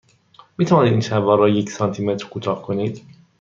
می توانید این شلوار را یک سانتی متر کوتاه کنید؟